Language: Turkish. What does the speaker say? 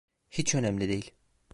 Hiç önemli değil.